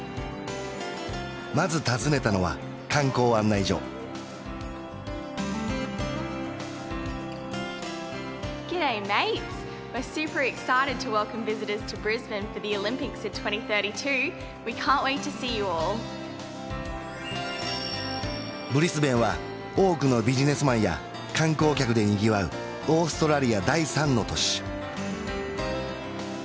まず訪ねたのは観光案内所ブリスベンは多くのビジネスマンや観光客でにぎわうオーストラリア第３の都市